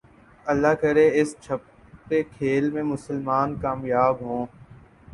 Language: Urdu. اللہ کرے اس چھپے کھیل میں مسلمان کامیاب ہو